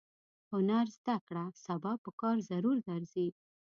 هنر زده کړه سبا پکار ضرور درځي.